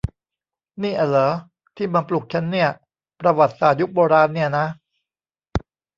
นี่อ่ะหรอที่มาปลุกฉันเนี่ย ประวัติศาสตร์ยุคโบราณเนี่ยนะ